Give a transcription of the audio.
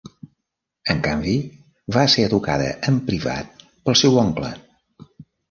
En canvi, va ser educada en privat pel seu oncle.